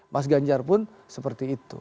mas ganjar pun seperti itu